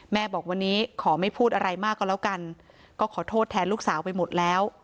แม่บอกวันนี้ขอไม่พูดอะไรมากก็แล้วกันก็ขอโทษแทนลูกสาวไปหมดแล้ว